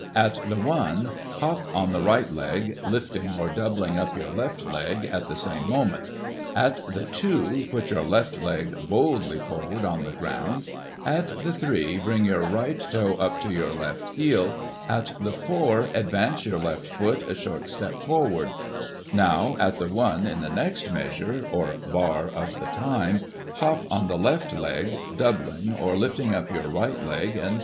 At the one, hop on the right leg, lifting, or doubling up your left leg at the same moment ; at the two, put your left leg boldly forward on the ground ; at the three, bring your right toe up to your left heel ; at the four, advance your left foot a short step forward : now, at the one, in the next measure, or bar of the time, hop on the left leg, doubling, or lifting up your right leg, and Digitized by Google 240 GOSSIP.